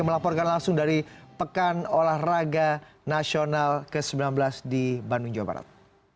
melaporkan langsung dari pekan olahraga nasional ke sembilan belas di bandung jawa barat